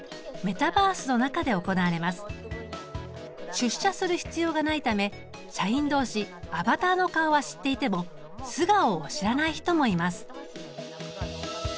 出社する必要がないため社員同士アバターの顔は知っていても素顔を知らない人もいます。